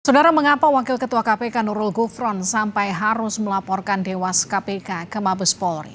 saudara mengapa wakil ketua kpk nurul gufron sampai harus melaporkan dewas kpk ke mabes polri